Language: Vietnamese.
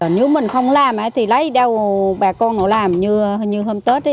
nếu mình không làm thì lấy đâu bà con nó làm như hôm tết